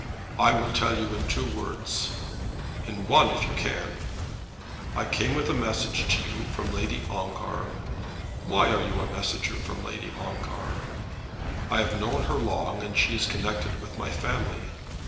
"I will tell you in two words." "In one if you can." "I came with a message to you from Lady Ongar." "Why are you a messenger from Lady Ongar?" "I have known her long and she is connected with my family."